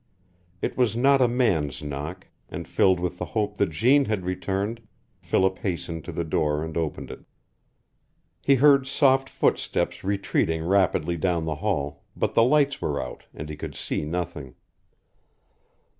It was not a man's knock, and filled with the hope that Jeanne had returned, Philip hastened to the door and opened it. He heard soft footsteps retreating rapidly down the hall, but the lights were out, and he could see nothing.